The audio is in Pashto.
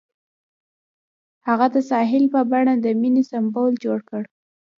هغه د ساحل په بڼه د مینې سمبول جوړ کړ.